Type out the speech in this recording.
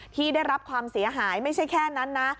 ที่ได้รับความเสียหายไม่ใช่แค่นั้นนะ